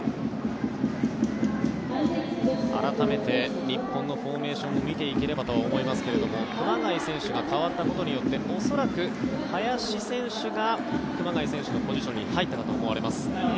改めて日本のフォーメーションを見ていければと思いますが熊谷選手が代わったことによって恐らく林選手が熊谷選手のポジションに入ったかと思われます。